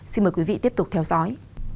xin mời quý vị tiếp tục theo dõi